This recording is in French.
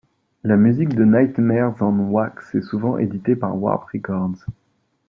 La musique de Nightmares on Wax est souvent éditée par Warp Records.